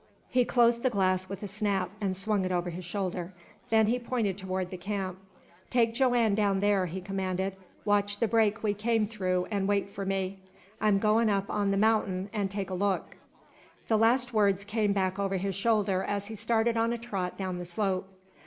He closed the glass with a snap and swung it over his shoulder. Then he pointed toward the camp. "Take Joanne down there," he commanded. "Watch the break we came through, an' wait for me. I'm goin' up on the mount'in an' take a look!" The last words came back over his shoulder as he started on a trot down the slope.